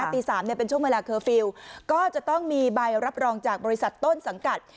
ตี๓เป็นช่วงเวลาเคอร์ฟิลล์ก็จะต้องมีใบรับรองจากบริษัทต้นสังกัด